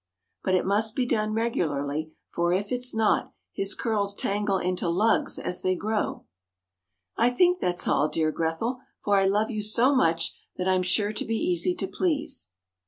But it must be done regularly, for if it's not, his curls tangle into lugs as they grow. I think that's all, dear Grethel, for I love you so much that I'm sure to be easy to please.